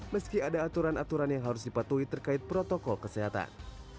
meski ada aturan aturan yang harus dipatuhi terkait protokol kesehatan